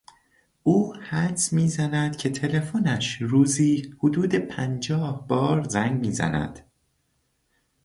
او حدس میزند که تلفنش روزی حدود پنجاه بار زنگ میزند.